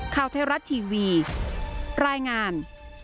ข่าวไทยรัฐทีวีรายงาน